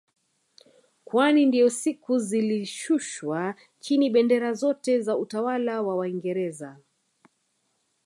Kwani ndiyo siku zilishushwa chini bendera zote za utawala wa waingereza